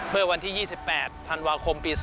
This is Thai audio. เมื่อวันที่๒๘ธันวาคมปี๒๕๖